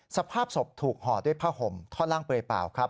สภาพศพถูกห่อด้วยผ้าห่มท่อนล่างเปลือยเปล่าครับ